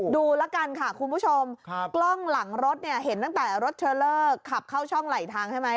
ดูแล้วกันค่ะคุณผู้ชมกล้องหลังรถเนี่ยเห็นตั้งแต่รถเทรลเลอร์ขับเข้าช่องไหลทางใช่ไหม